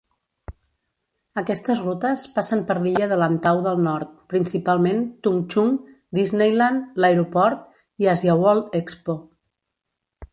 Aquestes rutes passen per l'illa de Lantau del Nord, principalment Tung Chung, Disneyland, l'aeroport i AsiaWorld-Expo.